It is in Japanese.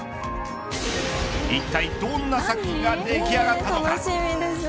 いったいどんな作品が出来上がったのか。